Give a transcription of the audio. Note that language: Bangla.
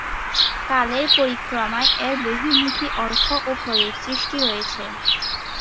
কালের পরিক্রমায় এর বহুমুখী অর্থ ও প্রয়োগ সৃষ্টি রয়েছে।